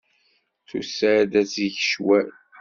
Tusa-d ad teg ccwal.